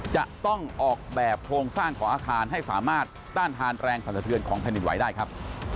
จะต้องออกแบบโครงสร้างของอาคารให้สามารถต้านทานแรงสรรสะเทือนของแผ่นดินไว้ได้ครับ